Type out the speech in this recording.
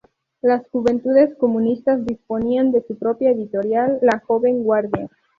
Las juventudes comunistas disponían de su propia editorial, la "Joven Guardia".